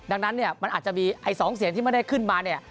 ดังนั้นเนี่ยมันอาจจะมีไอ้๒เสียงที่ไม่ได้ขึ้นมาเนี่ย